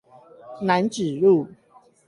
楠梓路